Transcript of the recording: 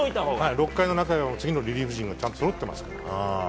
６回にはリリーフ陣がちゃんとそろってますから。